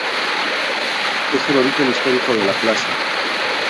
Es el origen histórico de la plaza.